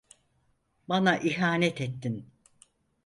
Bana ihanet ettin.